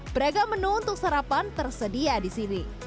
beragam menu untuk sarapan tersedia di sini